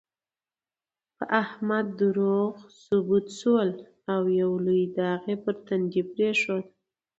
په احمد دروغ ثبوت شول، او یو لوی داغ یې په تندي پرېښود.